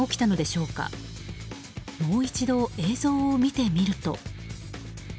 もう一度、映像を見てみると。